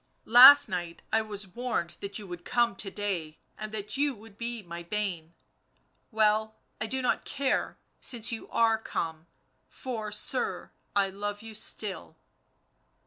Last night I was warned that you would come to day and that you would be my bane ... well, I do not care since you arc come, for, sir, I love you still."